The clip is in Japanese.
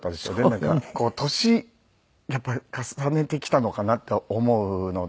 なんかこう年やっぱり重ねてきたのかなと思うので。